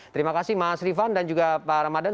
terima kasih mas rifan dan juga pak ramadhan